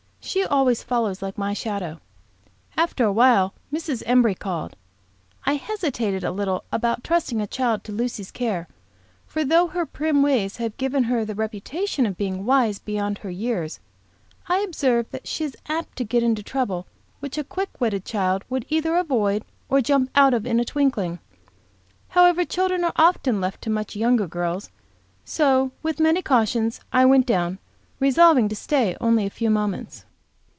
She always follows like my shadow. After a while Mrs. Embury called. I hesitated a little about trusting the child to Lucy's care, for though her prim ways have given her the reputation of being wise beyond her years, I observe that she is apt to get into trouble which a quick witted child would either avoid or jump out of in a twinkling. However, children are often left to much younger girls, so, with many cautions, I went down, resolving to stay only a few moments.